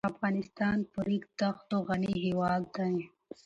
افغانستان په ریګ دښتو غني هېواد دی.